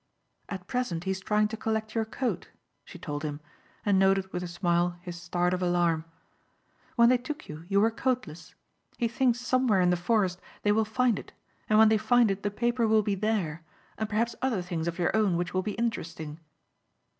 "At present he is trying to collect your coat," she told him and noted with a smile his start of alarm. "When they took you you were coatless. He thinks somewhere in the forest they will find it and when they find it the paper will be there and perhaps other things of your own which will be interesting."